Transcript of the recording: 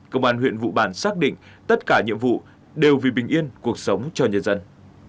công an huyện vụ bản xác định tất cả nhiệm vụ đều vì bình yên cuộc sống cho nhân dân